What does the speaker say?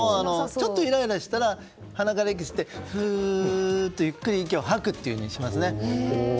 ちょっとイライラしたら鼻から息を吸ってふーっとゆっくり息を吐くようにしますね。